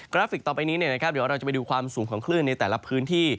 ราฟิกต่อไปนี้เดี๋ยวเราจะไปดูความสูงของคลื่นในแต่ละพื้นที่